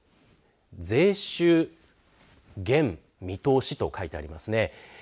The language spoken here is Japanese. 税収減見通しと書いてありますね。